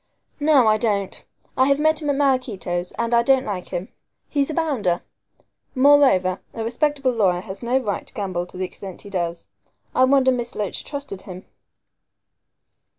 "No, I don't. I have met him at Maraquito's, and I don't like him. He's a bounder. Moreover, a respectable lawyer has no right to gamble to the extent he does. I wonder Miss Loach trusted him."